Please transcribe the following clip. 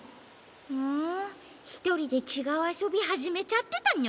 ふんひとりでちがうあそびはじめちゃってたの？